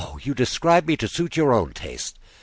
you describe me to suit your own taste.